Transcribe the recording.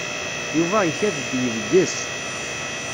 Yuba ikad-d yebges.